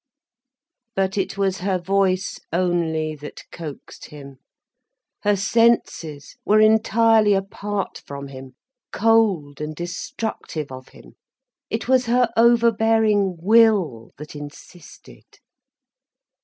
But it was her voice only that coaxed him. Her senses were entirely apart from him, cold and destructive of him. It was her overbearing will that insisted.